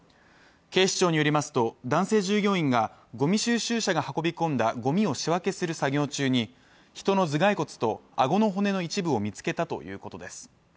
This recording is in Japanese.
警視庁によりますと、男性従業員がごみ収集車が運び込んだごみを仕分けする作業中に、人の頭蓋骨と顎の骨の一部を見つけたということです。